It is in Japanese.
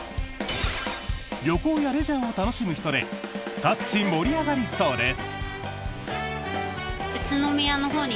旅行やレジャーを楽しむ人で各地、盛り上がりそうです。